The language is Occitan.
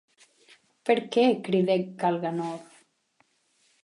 Per qué?, cridèc Kalganov.